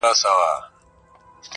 ښکاري وایې دا کم اصله دا زوی مړی,